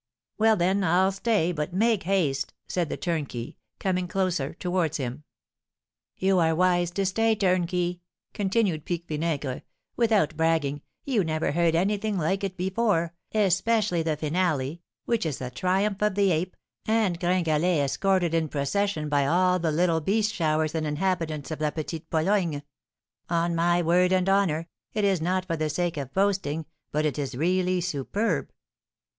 "Well, then, I'll stay, but make haste," said the turnkey, coming closer towards him. "You are wise to stay, turnkey," continued Pique Vinaigre; "without bragging, you never heard anything like it before, especially the finale, which is the triumph of the ape, and Gringalet escorted in procession by all the little beast showers and inhabitants of La Petite Pologne. On my word and honour, it is not for the sake of boasting, but it is really superb."